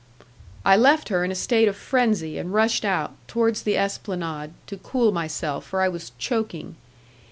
I left her in a state of frenzy, and rushed out, towards the esplanade, to cool myself, for I was choking.